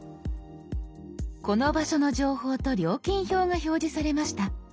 この場所の情報と料金表が表示されました。